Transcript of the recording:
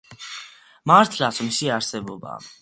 მართლაც მისი არსებობა.